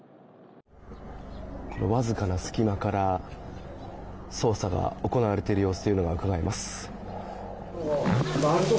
わずかな隙間から捜査が行われている様子がうかがえます。